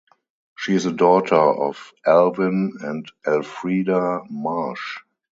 She is the daughter of Alvin and Elfrida Marsh.